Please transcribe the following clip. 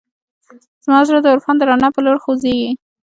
زما زړه د عرفان د رڼا په لور خوځېږي.